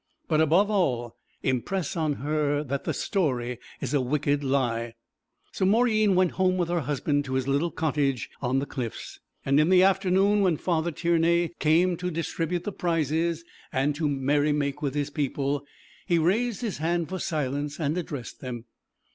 But above all, impress on her that the story is a wicked lie.' So Mauryeen went home with her husband to his little cottage on the cliffs. And in the afternoon, when Father Tiernay came to distribute the prizes and to merry make with his people, he raised his hand for silence and addressed them.